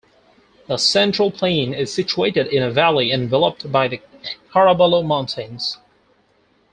The central plain is situated in a valley enveloped by the Caraballo Mountains.